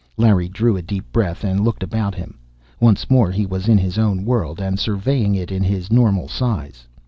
Larry drew a deep breath, and looked about him. Once more he was in his own world, and surveying it in his normal size.